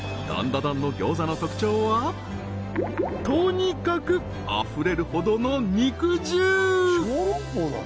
ダンダダンの餃子の特徴はとにかくあふれるほどの肉汁！